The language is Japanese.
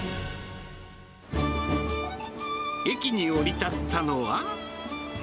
駅に降り立ったのは。